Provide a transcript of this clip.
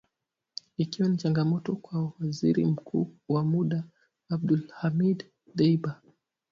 Ikiwa ni changamoto kwa Waziri Mkuu wa muda Abdulhamid Dbeibah.